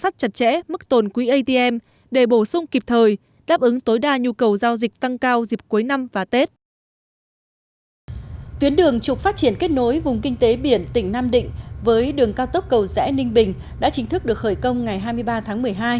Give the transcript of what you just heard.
tuyến đường trục phát triển kết nối vùng kinh tế biển tỉnh nam định với đường cao tốc cầu rẽ ninh bình đã chính thức được khởi công ngày hai mươi ba tháng một mươi hai